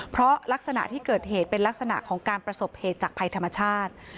เพราะลักษณะที่เกิดเหตุเป็นลักษณะของการประสบเหตุจากภัยธรรมชาติ